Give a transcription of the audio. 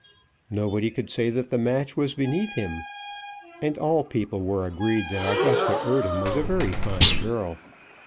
Nobody could say that the match was beneath him, and all people were agreed that Augusta Eardham was a very fine girl.